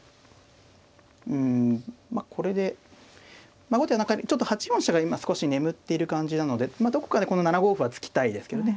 うんまあこれで後手は８四飛車が今少し眠っている感じなのでまあどこかでこの７五歩は突きたいですけどね。